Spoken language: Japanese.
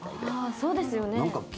そうですよね。